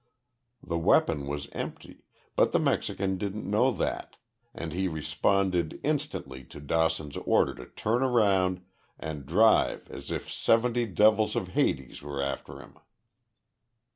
The weapon was empty, but the Mexican didn't know that, and he responded instantly to Dawson's order to turn around and drive "as if seventy devils of Hades were after him!"